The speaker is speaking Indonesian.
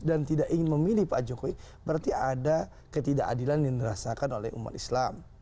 tidak ingin memilih pak jokowi berarti ada ketidakadilan yang dirasakan oleh umat islam